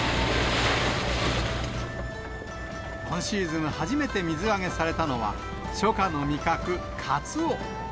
今シーズン初めて水揚げされたのは、初夏の味覚、カツオ。